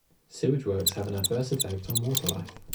Sewage works have an adverse effect on water life.